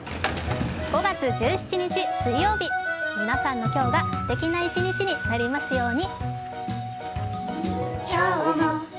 ５月１７日水曜日、皆さんの今日がすてきな一日になりますように。